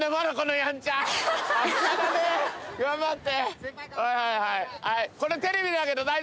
頑張って！